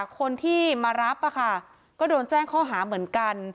คนที่มารับก็โดนแจ้งข้อหาเหมือนกัน